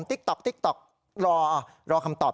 ติ๊กต๊อกติ๊กต๊อกรอรอคำตอบ